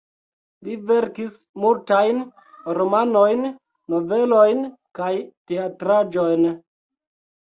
Li verkis multajn romanojn, novelojn kaj teatraĵojn.